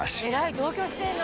同居してるの？